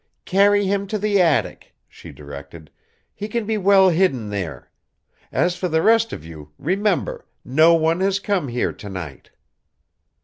"Carry him to the attic," she directed. "He can be well hidden there. As for the rest of you, remember, no one has come here to night."